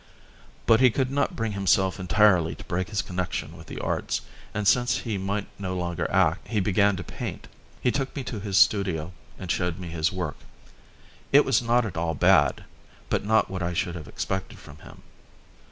But he could not bring himself entirely to break his connection with the arts and since he might no longer act he began to paint. He took me to his studio and showed me his work. It was not at all bad, but not what I should have expected from him.